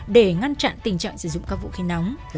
để ngăn chặn tình trạng sử dụng các vũ khí nóng